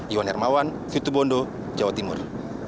iwan hermawan situ bondo jawa timur